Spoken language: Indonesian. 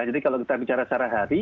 jadi kalau kita bicara secara hari